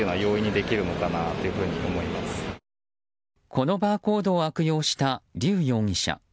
このバーコードを悪用したリュウ容疑者。